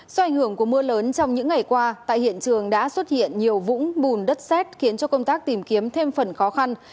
do ảnh hưởng của mưa lớn trong những ngày qua tại hiện trường đã xuất hiện nhiều vũng bùn đất xét khiến cho công tác tìm kiếm thêm phần khó khăn